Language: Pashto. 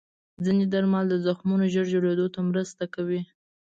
ځینې درمل د زخمونو ژر جوړېدو ته مرسته کوي.